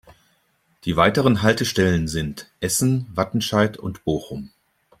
Die weiteren Haltestellen sind Essen, Wattenscheid und Bochum.